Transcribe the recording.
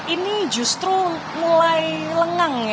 ini justru mulai lengang ya